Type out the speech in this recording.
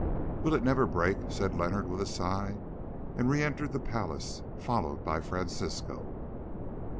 "Will it never break?" said Leonard with a sigh, and re entered the palace, followed by Francisco.